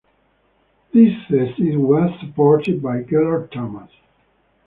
This thesis was supported by Gellert Tamas.